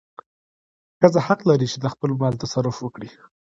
ښځه حق لري چې د خپل مال تصرف وکړي.